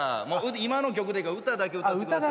今の曲で歌だけ歌ってください。